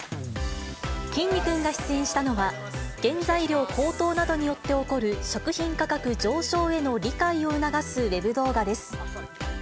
きんに君が出演したのは、原材料高騰などによって起こる、食品価格上昇への理解を促すウェブ動画です。